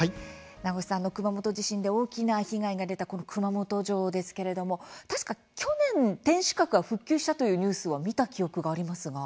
名越さん、熊本地震で大きな被害が出たこの熊本城ですけれども確か去年、天守閣が復旧したというニュースを見た記憶がありますが。